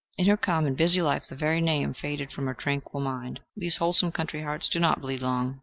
In her calm and busy life the very name faded from her tranquil mind. These wholesome country hearts do not bleed long.